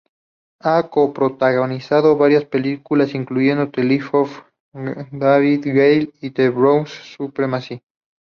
Ha co-protagonizado varias películas, incluyendo The Life of David Gale y The Bourne Supremacy.